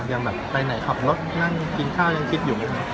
ยังแบบไปไหนขับรถนั่งกินข้าวยังคิดอยู่